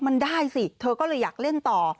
มันได้สิเธอก็เลยอยากเล่นต่อ